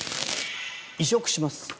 移植します。